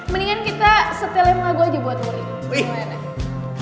mendingan kita setelin lagu aja buat worly